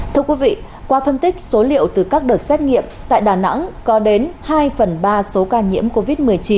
thưa quý vị qua phân tích số liệu từ các đợt xét nghiệm tại đà nẵng có đến hai phần ba số ca nhiễm covid một mươi chín